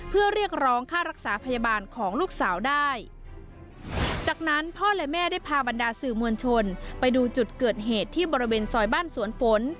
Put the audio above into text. เพื่อเรียกร้องค่ารักษาพยาบาลของลูกสาวได้จากนั้นพ่อและแม่ได้พาบรรดาสื่อมวลชนไปดูจุดเกิดเหตุที่บริเวณซอยบ้านสวนฝน